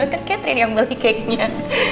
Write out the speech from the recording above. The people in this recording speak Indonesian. kan kate yang beli keknya